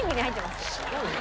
すごいな。